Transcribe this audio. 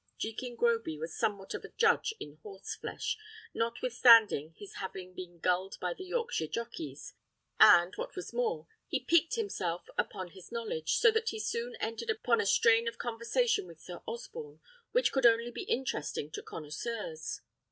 Jekin Groby was somewhat of a judge in horse flesh, notwithstanding his having been gulled by the Yorkshire jockeys; and, what was more, he piqued himself upon his knowledge, so that he soon entered upon a strain of conversation with Sir Osborne which could only be interesting to connoisseurs.